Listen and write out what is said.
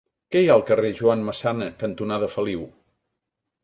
Què hi ha al carrer Joan Massana cantonada Feliu?